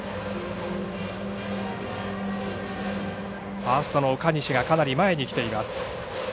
ファーストの岡西がかなり前に来ています。